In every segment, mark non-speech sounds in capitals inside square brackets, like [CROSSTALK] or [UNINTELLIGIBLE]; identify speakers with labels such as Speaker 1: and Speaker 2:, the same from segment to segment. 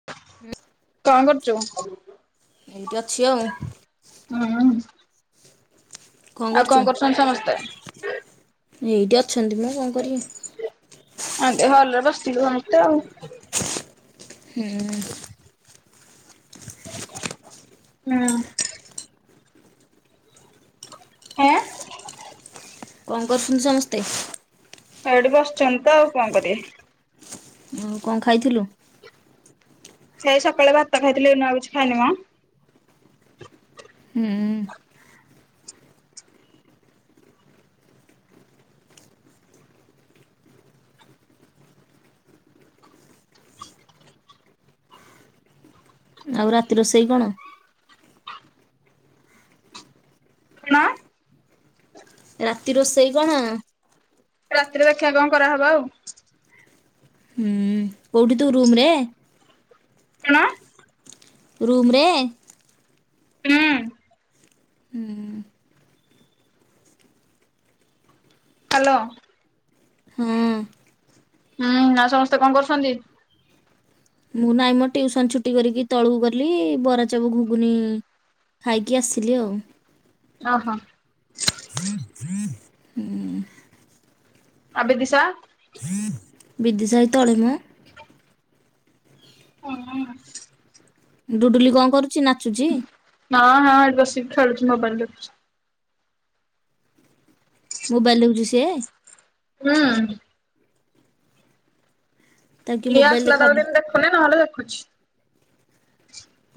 Speaker 1: କଣ
Speaker 2: ଏଇଠି ଅଛି
Speaker 1: କରୁଚୁ?
Speaker 2: ଆଉ
Speaker 1: ହୁଁ
Speaker 2: କଣ
Speaker 1: ଆଉ
Speaker 2: କରୁଚୁ
Speaker 1: କରୁଛନ୍ତି ସମସ୍ତେ?
Speaker 2: ଏଇଠି ଅଛନ୍ତି ମୁଁ କଣ କରିବି।
Speaker 1: ଆନ୍ତି ହଲରେ ବସି [UNINTELLIGIBLE] ତ ଆଉ।
Speaker 2: ହୁଁ
Speaker 1: ହୁଁ ଏଁ
Speaker 2: କଣ କରୁସନ୍ତି ସମସ୍ତେ?
Speaker 1: ଏଇଠି ବସିଚନ୍ତି ତ ଆଉ କଣ କରିବେ।
Speaker 2: ହଁ କଣ ଖାଇଥିଲୁ?
Speaker 1: ସେଇ ସକାଳେ ଭାତ ଖାଇଥିଲି ଏନୂଆ କିଛି ଖାଇନି ମ
Speaker 2: ହୁଁ ଆଉ ରାତି ରୋଷେଇ କଣ?
Speaker 1: କଣ?
Speaker 2: ରାତି ରୋଷେଇ କଣ?
Speaker 1: ରାତିରେ ଦେଖିବା କଣ କରାହବ ଆଉ।
Speaker 2: ହୁଁ କୋଉଠି ତୁ ରୁମ ରେ।
Speaker 1: କଣ?
Speaker 2: ରୁମରେ?
Speaker 1: ହୁଁ
Speaker 2: ହୁଁ
Speaker 1: ହ୍ୟାଲୋ।
Speaker 2: ହୁଁ।
Speaker 1: ହୁଁ ଆଉ ସମସ୍ତେ କଣ କରୁସନ୍ତି?
Speaker 2: ମୁଁ ନାଇଁ ମ ଟ୍ୟୁଉସନ ଛୁଟି କରିକି ତଳକୁ କଲି ବରା, ଚପ୍ ଘୁଗୁନି ଖାଇକି ଆସିଲି ଆଉ।
Speaker 1: ଓହୋ।
Speaker 2: ହୁଁ
Speaker 1: ଆବେ ଦିସା।
Speaker 2: ବିଦିଶା ଏଇ ତଳେ ମୁଁ।
Speaker 1: ହଁ
Speaker 2: ଡୁଡୁଲି କଣ କରୁଚି? ନା ଚୁଚି।
Speaker 1: ହଁ ହଁ ଏଇଠି ବସିକି ଖେଳୁଚି ମୋବାଇଲ ଦେଖୁଚି।
Speaker 2: ମୋବାଇଲ ଦେଖୁଚି ସିଏ?
Speaker 1: ହୁଁ
Speaker 2: ତାକୁ କିଏ
Speaker 1: ଇଏ
Speaker 2: ମୋବାଇଲ
Speaker 1: ଆସିଲା
Speaker 2: ଦେଖା
Speaker 1: କାଳୁ ଦିନ ଦେଖୁନେ ନହେଲେ ଦେଖୁଚି।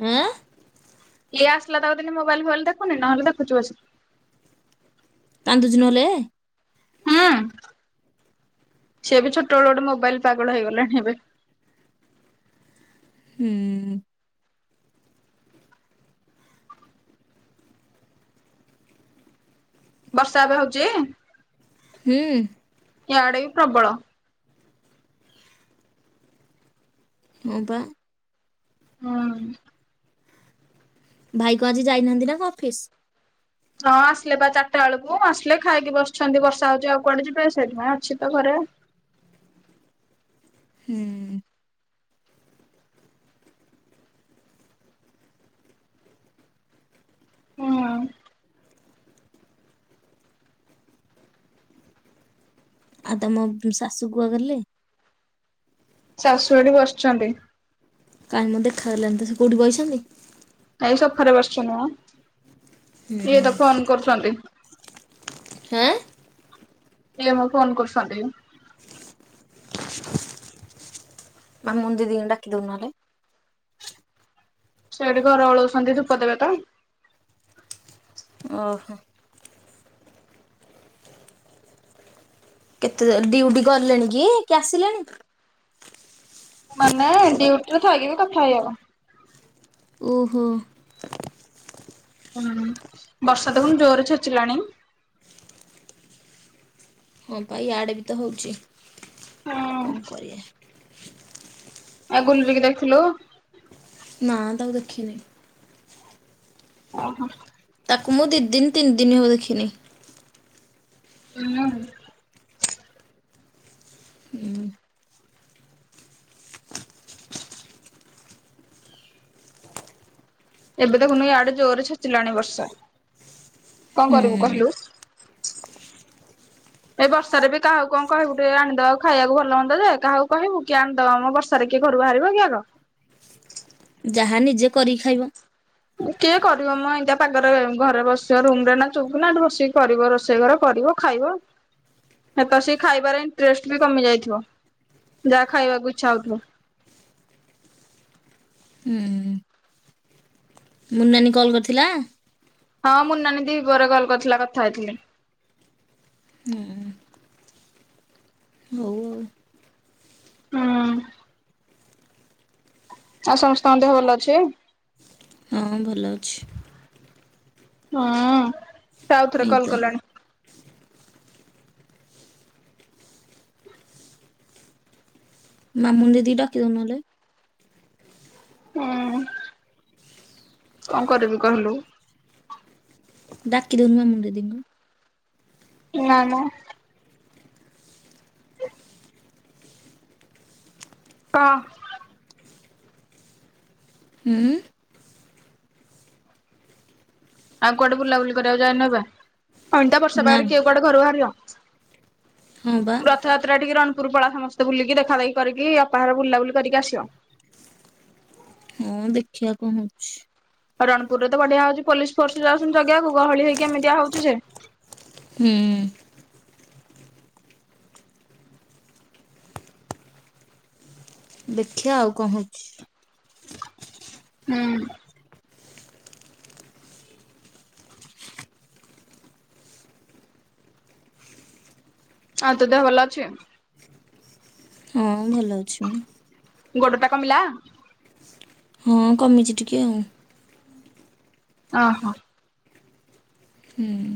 Speaker 2: ଆଁ?
Speaker 1: ଇଏ ଆସିଲା [UNINTELLIGIBLE] ମୋବାଇଲ ଫୋବାଇଲ ଦେଖୁନି ନହଲେ ଦେଖୁଛୁ ବସିକି।
Speaker 2: କାନ୍ଦୁଛି ନହେଲେ?
Speaker 1: ହୁଁ ସେ ବି ଛୋଟବେଳୁ ଗୋଟେ ମୋବାଇଲ ପାଗଳ ହେଇଗଲାଣି ଏବେ।
Speaker 2: ହୁଁ।
Speaker 1: ବର୍ଷା ଏବେ ହଉଛି?
Speaker 2: ହୁଁ।
Speaker 1: ଇଆଡେ ବି ପ୍ରବଳ।
Speaker 2: ହଁ ପା।
Speaker 1: ହଁ।
Speaker 2: ଭାଇ କଣ ଆଜି ଯାଇନାହାଁନ୍ତି ନା କଣ ଅଫିସ୍?
Speaker 1: ହଁ ଆସିଲେ ବା ଚାରଟା ବେଳକୁ, ଆସିଲେ ଖାଇକି ବସିଛନ୍ତି। ବର୍ଷା ହଉଛି ଆଉ କୁଆଡ଼େ ଯିବେ, ସେଇଥିପାଇଁ ଅଛି ତ ଘରେ ଆଉ।
Speaker 2: ହୁଁ।
Speaker 1: ହଁ।
Speaker 2: ଆଉ ତମ ଶାଶୁ କୁଆଡେଗଲେ?
Speaker 1: ଶାଶୁ ଏଇଠି ବସିଛନ୍ତି।
Speaker 2: କାଇଁ ମ ଦେଖାଗଲାନି ତ ସେ କୋଉଠି ବଇଛନ୍ତି?
Speaker 1: ଏଇ ସୋଫାରେ ବସିଛନ୍ତି ମ।
Speaker 2: ହୁଁ
Speaker 1: ଇଏ ତ ଫୋନ୍ କରୁଛନ୍ତି।
Speaker 2: ହେଁ?
Speaker 1: ଇଏ ପା ଫୋନ୍ କରୁସନ୍ତି।
Speaker 2: ମାମୁନ୍ ଦିଦିଙ୍କି ଡାକି ଦଉନୁ ନହେଲେ।
Speaker 1: ସେ ଏଇଠି ଘର ଓଳଉଛନ୍ତି ଧୂପ ଦେବେ ତ।
Speaker 2: ଓହୋ। କେତେ ଜଲ୍ ଡ୍ୟୁଟି ଗଲେଣି କି, କି ଆସିଲେଣି?
Speaker 1: ମାନେ ଡ୍ୟୁଟିରେ ଥାଇକି ବି କଥା ହେଇ ହବ।
Speaker 2: ଓହୋ।
Speaker 1: ହୁଁ ବର୍ଷା ଦେଖୁନୁ ଜୋରରେ ଛେଚିଲାଣି।
Speaker 2: ହଁ ପା ଇଆଡ଼େ ବି ତ ହଉଛି।
Speaker 1: ହୁଁ।
Speaker 2: କଣ କରିଆ।
Speaker 1: ଆଉ ଗୁଲୁରି କି ଦେଖିଲୁ?
Speaker 2: ନାଁ ତାକୁ ଦେଖିନାହିଁ।
Speaker 1: ଅଁ ହଁ।
Speaker 2: ତାକୁ ମୁଁ ଦି ଦିନ୍, ତିନ୍ ଦିନ୍ ହବ ଦେଖିନି।
Speaker 1: ହୁଁ।
Speaker 2: ହୁଁ।
Speaker 1: ଏବେ ଦେଖୁନୁ ଇଆଡ଼େ ଜୋରରେ ଛେଚିଲାଣି ବର୍ଷା। କଣ
Speaker 2: ହୁଁ
Speaker 1: କରିବୁ କହିଲୁ? ଏ ବର୍ଷାରେ ବି କାହାକୁ କଣ କହିବୁ ଟିକେ ଆଣିଦବାକୁ ଖାଇବାକୁ ଭଲ ହୁଅନ୍ତା ଯେ, କାହାକୁ କହିବୁ? କିଏ ଆଣିଦବ ମ ବର୍ଷ୍ ର୍ଷାରେ କିଏ ଘରୁ ବାହାରିବ କି ଆଗ।
Speaker 2: ଯାହା ନିଜେ କରିକି ଖାଇବ।
Speaker 1: କିଏ କରିବ ମ ଏନ୍ତିଆ ପାଗରେ? ଘରେ ବସିବ ରୁମରେ ନା ଚୁପ୍ କିନା, ଏଇଠି ବସିକି କରିବ ରୋଷେଇ ଘର କରିବ ଖାଇବ। ହେତ ସେ ଖାଇବାରେ ଇଣ୍ଟରେଷ୍ଟ୍ ବି କମି ଯାଇଥିବ, ଯାହା ଖାଇବାକୁ ଇଚ୍ଛା ହଉଥିବ।
Speaker 2: ହୁଁ। ମୁନ୍ ନାନୀ କଲ୍ କରିଥିଲା?
Speaker 1: ହଁ ମୁନ୍ ନାନୀ ଦିପହରେ କଲ୍ କରିଥିଲା କଥା ହେଇଥିଲି।
Speaker 2: ହୁଁଁ। ହୋଉ।
Speaker 1: ହୁଁ। ଆଉ ସମସ୍ତଙ୍କ ଦେହ ଭଲ ଅଛି?
Speaker 2: ଆଉ ହଁ ଭଲ ଅଛି।
Speaker 1: ହଁ ସେ ଆଉଥରେ
Speaker 2: ଏଇ ତ
Speaker 1: କଲ୍ କଲାଣି।
Speaker 2: ମାମୁନ୍ ଦିଦି କି ଡାକି ଦୋଉନୁ ନହେଲେ।
Speaker 1: ହୁଁ କଣ କରିବି କହିଲୁ?
Speaker 2: ଡାକି ଦଉନୁ ମାମୁନ୍ ଦିଦି କୁ।
Speaker 1: ନାଁ ମ। [UNINTELLIGIBLE] [UNINTELLIGIBLE]
Speaker 2: ହୁଁ।
Speaker 1: ଆଉ କୁଆଡ଼େ ବୁଲାବୁଲି କରିବାକୁ ଜାଇନ ଅପା? ଅନ୍ତିଆ ବର୍ଷା
Speaker 2: ନାଇଁ
Speaker 1: ପାଗରେ କିଏ କୁଆଡ଼େ ଘରୁ ବାହାରିବ।
Speaker 2: ହଁ ବା।
Speaker 1: ରଥଯାତ୍ରା ଟିକେ ରଣପୁର ପଳା ସମସ୍ତେ ବୁଲିକି ଦେଖାଦେଖି କରିକି ଅପାଘରେ ବୁଲାବୁଲି କରିକି ଆସିବ।
Speaker 2: ହଁ ଦେଖିଆ କଣ ହୋଉଚି।
Speaker 1: ରଣପୁରରେ ତ ବଢିଆ ହୋଉଚି ପୋଲିସ ଫୋର୍ସ ଯାଉଚନ୍ତି ଜଗିବାକୁ ଗହଳି ହେଇକି ଇମିତିଆ ହୋ ଉଚି ଜେ
Speaker 2: ହୁଁ। ଦେଖିଆ ଆଉ କଣ ହୋଉଚି।
Speaker 1: ହୁଁ। ଆଉ ତୋ ଦେହ ଭଲ ଅଛି?
Speaker 2: ହଁ ଭଲ ଅଛି ମୁଁ।
Speaker 1: ଗୋଡଟା କମିଲା।
Speaker 2: ହଁ କମିଚି ଟିକେ ଆଉ।
Speaker 1: ଅ ହଁ।
Speaker 2: ହୁଁ ହୁଁ।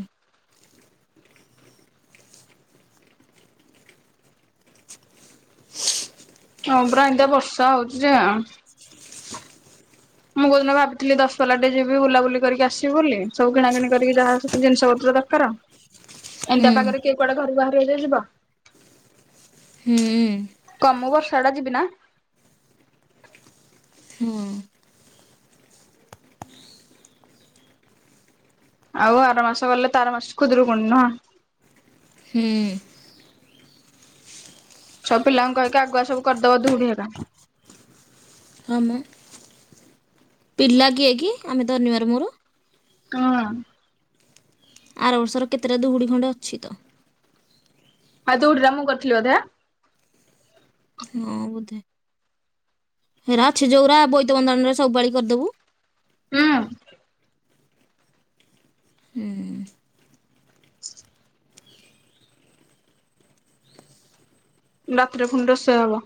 Speaker 1: ହଁ ପରା ଏମିତିଆ ବର୍ଷା ହୋଉଚି ଯେ ମୁଁ କୋଉଦିନ ଭାବୁଥିଲି [UNINTELLIGIBLE] ଟେ ଯିବି ବୁଲାବୁଲି କରିକି ଆସିବି ବୋଲି ସବୁ କିଣା କିିଣି କରିକି ଯାହା ଜିନିଷ ପତ୍ର [UNINTELLIGIBLE]
Speaker 2: ହୁଁ
Speaker 1: ଏମିତିଆ ପାଗରେ କି କୁଆଡେ ଘରୁ ବାହାରିବ ଯେ ଯିବ।
Speaker 2: [UNINTELLIGIBLE]
Speaker 1: କମୁ ବର୍ଷା ଟା ଯିବି ନା।
Speaker 2: ହଁ।
Speaker 1: ଆଉ ଆର ମାସ ଗଲେ ତାର ମାସ ଖୁଦରୁକୁଣି ନୁହଁ?
Speaker 2: ହୁଁ।
Speaker 1: ସବୁ ପିଲାଙ୍କୁ କହିକି ଆଗୁଆ ସବୁ କରିଦବ [UNINTELLIGIBLE] ହେକା।
Speaker 2: [UNINTELLIGIBLE] ପିଲା କିଏ କି ଆମେ ଧନିବାର ମୋର।
Speaker 1: [UNINTELLIGIBLE]
Speaker 2: ଆର ବର୍ଷର କେତେଟା ଦୁଗୁଡ଼ି ଖଣ୍ଡେ ଅଛି ତ।
Speaker 1: ମାନେ ଦୋଉଡି ରା ମୁଁ କରିଥିଲି ବୋଧେ?
Speaker 2: ହଁ ବୋଧେ। ହେରା ଅଛି ଯୋଉରା ବୋଇତ ବନ୍ଦାଣ ରେ ସବୁପାଳି କରିଦୋବୁ।
Speaker 1: ହୁଁ।
Speaker 2: ହୁଁ।
Speaker 1: ରାତିରେ ଫୁଣି ରୋଷେଇ ହବ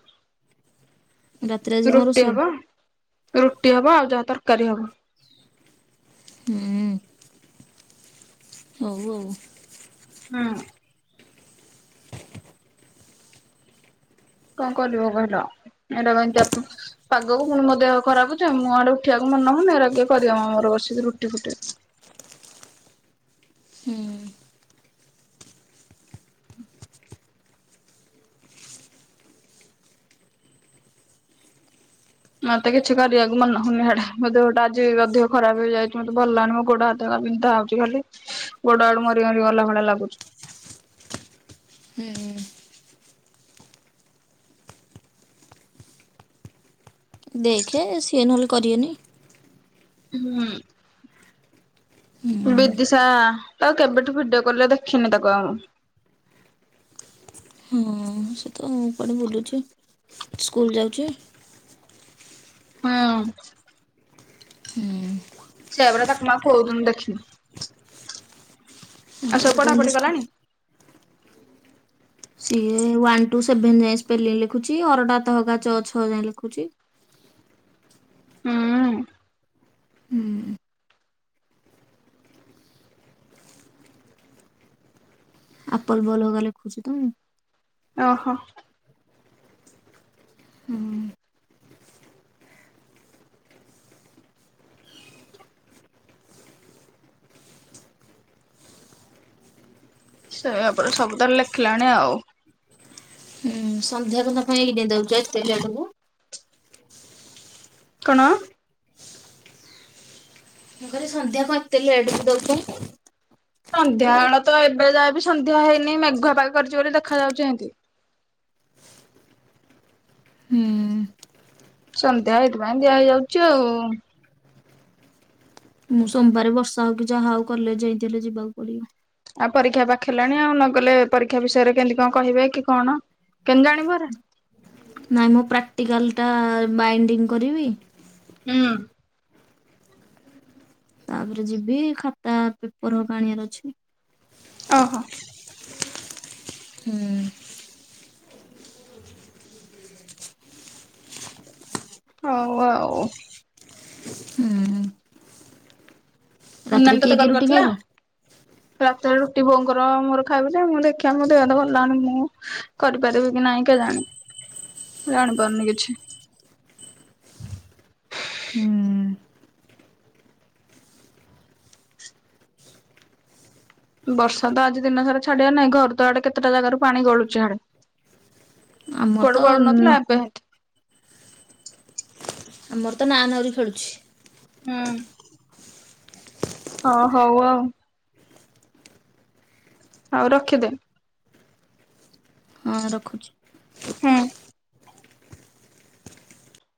Speaker 2: ରାତିରେ ଆଜି କଣ
Speaker 1: ରୁଟି
Speaker 2: ରୋଷେଇ?
Speaker 1: ହବ। ରୁଟି ହବ ଆଉ ଯାହା ତରକାରୀ ହବ।
Speaker 2: ହୁଁ। ହଉ, ଆଉ।
Speaker 1: ହଁ। କଁ କରିବ କହିଲ ଏଇଡା କୁ ଏତିଆ ପାଗକୁ ପୁଣି ମୋ ଦେହ ଖରାପ ଯେ ମୁଁ ଆଡେ ଉଠିବାକୁ ମନ ହଉନି ଏରା କିଏ କରିବ ମ ମୋର ବସିକି ରୁଟି ଫୁଟି।
Speaker 2: ହୁଁ।
Speaker 1: ମତେ କିଛି କରିବାକୁ ମନହଉନି ହେଟା ମୋ ଦେହଟା ଆଜି ବି ଅଧିକ ଖରାପ ହେଇଯାଇଛି ମତେ ଭଲ ଲାଗୁନି ମୋ ଗୋଡ଼ ହାତ ତ ବିନ୍ଧା ହଉଛି ଖାଲି ଗୋଡ ଆଡୁ ମରି ମରି ଗଲା ଭଳିଆ ଲାଗୁଛି।
Speaker 2: ହୁଁ। ଦେଖେ ସିଏ ନହେଲେ କରିବେନି।
Speaker 1: ହୁଁ। ବିଦିଶା ତାକୁ କେବେଠୁ ଭିଡିଓ କଲରେ ଦେଖିନି ତାକୁ ଆଉ ମୁଁ।
Speaker 2: ହଁ ସେ ତ କୁଆଡେ ବୁଲୁଚି ସ୍କୁଲ ଯାଉଚି।
Speaker 1: [UNINTELLIGIBLE]
Speaker 2: ହୁଁ।
Speaker 1: ସେଆ ପରା ତାକୁ ମୁଁ ଆଉ କୋଉଦୁନୁ ଦେଖିନି। ଆଉ ସବୁ ପଢା ପଢି
Speaker 2: ସ୍କୁ-
Speaker 1: କଲାଣି?
Speaker 2: ସିଏ ୱାନ୍ ଟୁ ସେଭେନ ଯାଏଁ ସ୍ପେଲିଂ ଲେଖୁଛି ଅରଟ ଆତ ହକା ଚଅ ଛଅ ଯାଏଁ ଲେଖୁଛି।
Speaker 1: ହୁଁ।
Speaker 2: ହୁଁ। ଆପଲ ବଲ ହେଗା ଲେଖୁ ଚି ତ?
Speaker 1: ଓହୋ।
Speaker 2: ହୁଁ।
Speaker 1: ସେଇଆ ପରା ସବୁ ତ ଲେଖିଲାଣି ଆଉ।
Speaker 2: ହୁ ସନ୍ଧ୍ୟା [UNINTELLIGIBLE] ଦଉଛ ଏତେ ଲେଟ କୁ।
Speaker 1: କଣ?
Speaker 2: ମୁଁ କହିଲି ସନ୍ଧ୍ୟା କ ଏତେ ଲେଟ କୁ ଦୌଚ?
Speaker 1: ସନ୍ଧ୍ୟା ବେଳ ତ ଏବେ ଯାଏବି ସନ୍ଧ୍ୟା ହେଇନି ମେଘୁଆ ପାଗ କରିଛି ବୋଲି ଦେଖାଯାଉଛି ଏମିତି।
Speaker 2: ହୁଁ।
Speaker 1: ସନ୍ଧ୍ୟା ଏଇଥିପାଇଁ ଦିଆ ହେଇଯାଉଛି ଆଉ।
Speaker 2: ମୁଁ ସୋମବାରେ ବର୍ଷା ହଉ କି ଯାହା ହଉ କଲେଜ ଯାଇତେ ହେଲେ ଯିବାକୁ ପଡିବ।
Speaker 1: ଆଉ ପରୀକ୍ଷା ପାଖେଇ ଲାଣି ଆଉ ନଗଲେ ପରୀକ୍ଷା ବିଷୟରେ କେମିତି କଣ କହିବେ କି କଣ କେମିତି ଜାଣିବ ହେରା।
Speaker 2: ନାଇଁ ମୁଁ ପ୍ରାକ୍ଟିକାଲ ଟା ବାଇଣ୍ଡିଙ୍ଗ କରିବି।
Speaker 1: ହୁଁ।
Speaker 2: ତାପରେ ଯିବି ଖାତା ପେପର ଉକା ଆଣିବାର ଅଛି।
Speaker 1: ଓହୋ।
Speaker 2: ହୁଁ।
Speaker 1: ହଉ ଆଉ।
Speaker 2: ହୁଁ।
Speaker 1: ମୁନାନ
Speaker 2: କିଏ
Speaker 1: ତତେ
Speaker 2: କିଏ
Speaker 1: କଲ
Speaker 2: ରୁଟି
Speaker 1: କରିଥିଲା?
Speaker 2: ଖାଇବ?
Speaker 1: ରାତିରେ ରୁଟି ବୋଉଙ୍କର ମୋର ଖାଇବୁ ଯେ ମୁ ଦେଖିବା ମୋ ଦେହ ତ ଭଲ ଲାଗୁନି ମୁଁ କରିପାରିବି କି ନାଇଁ କେ ଜାଣି ଜାଣିପାରୁନି କିଛି।
Speaker 2: ହୁଁ।
Speaker 1: ବର୍ଷା ତ ଆଜି ଦିନ ସାରା ଛାଡିବା ନାହିଁ ଘର ତ ଆଡେ କେତେଟା ଜାଗାରୁ ପାଣି ଗଳୁଛି ହାଡେ।
Speaker 2: ଆମର ତ
Speaker 1: କଡୁ କଡୁ ନଥିଲା ଏବେ ହୁଁ
Speaker 2: ଆମର ତ ନାଁ ନାଉରୀ ଖେଳୁଛି।
Speaker 1: ହୁଁ। ହଁ ହଉ ଆଉ। ହଉ ରଖିଦେ।
Speaker 2: ହଁ ରଖୁଛି।
Speaker 1: ହୁଁ।